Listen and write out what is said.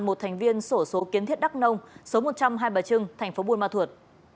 một thành viên sổ số kiến thiết đắk nông số một trăm hai mươi ba trưng thành phố buôn ma thuột